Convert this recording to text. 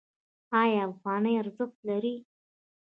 آیا افغانۍ ارزښت لري؟